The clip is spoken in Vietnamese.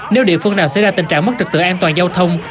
nếu địa phương nào xảy ra tình trạng mất trực tự an toàn giao thông